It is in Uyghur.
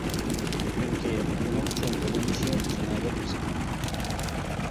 چۈنكى، ئۇنىڭ چوڭ يۆنىلىشى جىنايەت ھېسابلانمايتتى.